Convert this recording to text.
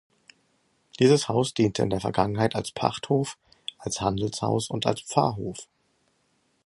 Dieses Haus diente in der Vergangenheit als Pachthof, als Handelshaus und als Pfarrhof.